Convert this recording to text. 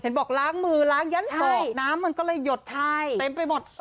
บอกล้างมือล้างยั้นออกน้ำมันก็เลยหยดใช่เต็มไปหมด